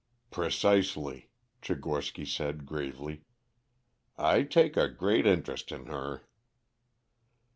"Precisely," Tchigorsky said gravely. "I take a great interest in her."